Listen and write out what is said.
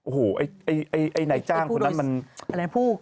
หนัยจ้างคนนั้นมันพูดว่าอะไรผู้